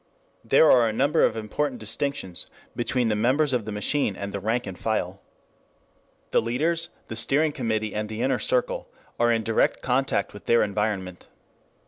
3 There are a number of important distinctions between the members of the machine and the rank and file. The leaders, the steering committee and the inner circle, are in direct contact with their environment.